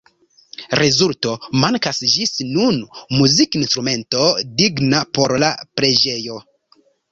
Rezulto: Mankas ĝis nun muzikinstrumento digna por la preĝejo.